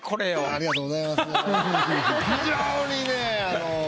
ありがとうございます。